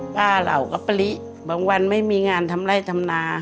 เหล่ากับปะลิบางวันไม่มีงานทำไร่ทำนา